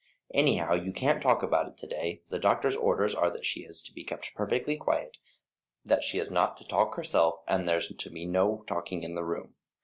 Anyhow you can't talk about it to day; the doctor's orders are that she is to be kept perfectly quiet, that she is not to talk herself, and that there's to be no talking in the room.